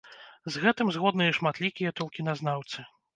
З гэтым згодныя шматлікія толкіназнаўцы.